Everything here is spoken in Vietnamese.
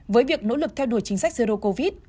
với việc nỗ lực theo đuổi chính sách zero covid